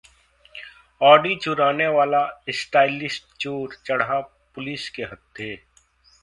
Audi चुराने वाला stylist चोर चढ़ा पुलिस के हत्थे